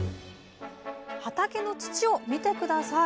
畑の土を見て下さい！